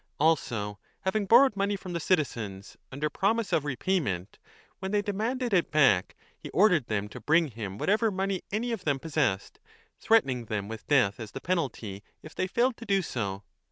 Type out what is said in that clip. Also having borrowed money from the citizens under promise of repayment, when they demanded it back he ordered them to bring him whatever money any of them possessed, threatening them with death as the penalty if they failed to do so.